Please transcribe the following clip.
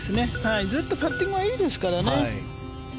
ずっとパッティングはいいですからね。